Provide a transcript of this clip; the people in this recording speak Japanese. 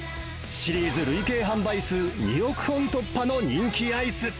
シリーズ累計販売数２億本突破の人気アイス。